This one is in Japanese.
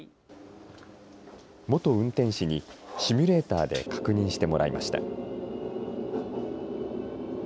元運転士にシミュレーターで確認してもらいました。